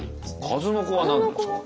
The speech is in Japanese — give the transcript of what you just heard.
数の子は何なんですか？